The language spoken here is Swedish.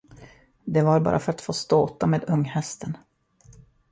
Det var bara för att få ståta med unghästen.